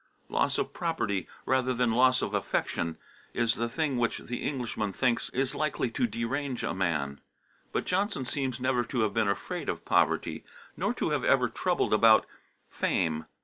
Loss of property rather than loss of affection is the thing which the Englishman thinks is likely to derange a man. But Johnson seems never to have been afraid of poverty, nor to have ever troubled about fame.